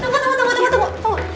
tunggu tunggu tunggu